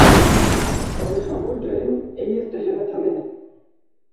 তবে সকল ট্রেন এই স্টেশনে থামে না।